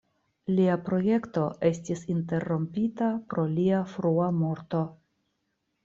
Lia projekto estis interrompita pro lia frua morto.